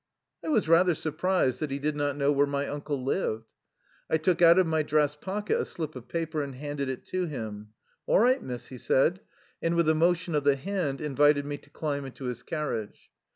" I was rather surprised that he did not know where my uncle lived. I took out of my dress pocket a slip of paper and handed it to him. " All right. Miss,'' he said, and with a motion of the hand invited me to climb into his car riage.